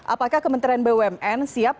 apakah kementerian bumn siap